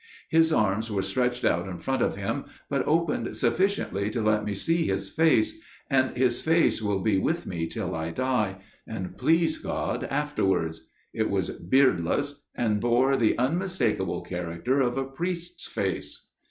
His arms were stretched out in front of him, but opened sufficiently to let me see his face; and his face will be with me till I die, and please God afterwards. It was beardless, and bore the unmistakable character of a priest's face.